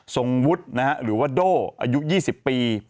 ทรงวุฒิหรือว่าโด่อายุ๒๐ปี